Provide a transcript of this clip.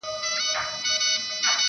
• پیاز دي وي په نیاز دي وي -